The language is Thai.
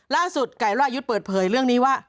ไก่รายุทธ์เปิดเผยเรื่องนี้ว่า